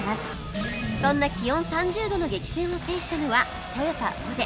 そんな気温３０度の激戦を制したのはトヨタオジェ